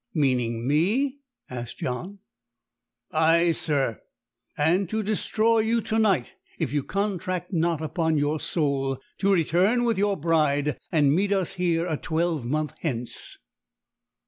"Meaning me?" asked John. "Ay, sir; and to destroy you to night if you contract not, upon your soul, to return with your bride and meet us here a twelvemonth hence."